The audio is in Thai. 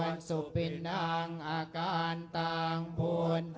จุดโปรส